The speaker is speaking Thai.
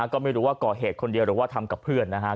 ก็ไม่รู้ว่าก่อเหตุคนเดียวหรือว่าทำกับเพื่อนนะครับ